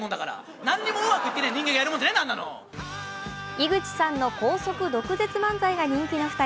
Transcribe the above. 井口さんの高速毒舌漫才が人気の２人。